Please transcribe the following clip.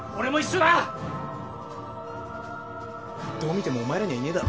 どう見てもお前らにはいねぇだろ！